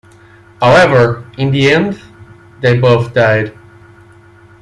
However, in the end, they both died.